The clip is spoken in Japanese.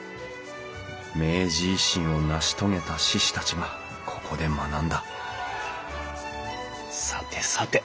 明治維新を成し遂げた志士たちがここで学んださてさて